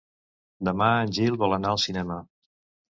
Demà en Gil vol anar al cinema.